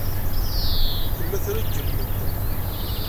Tella treggem medden.